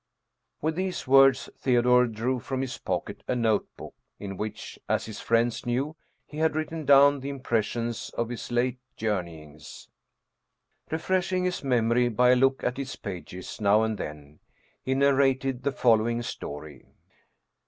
With these words Theodore drew from his pocket a notebook in which, as his friends knew, he had written down the impressions of his late journey ings. Refreshing his memory by a look at its pages now and then, he narrated the following story.